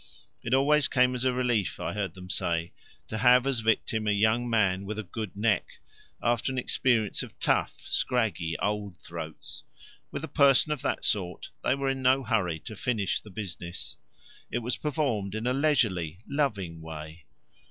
It always came as a relief, I heard them say, to have as victim a young man with a good neck after an experience of tough, scraggy old throats: with a person of that sort they were in no hurry to finish the business; it was performed in a leisurely, loving way.